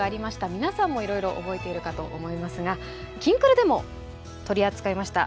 皆さんもいろいろ覚えているかと思いますが「きんくる」でも取り扱いました。